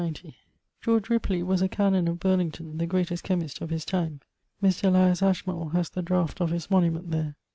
George Ripley was a canon of Burlington, the greatest chymist of his time. Mr. Elias Ashmole has the draught of his monument there.